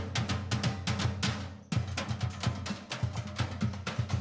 kita sambut tata lu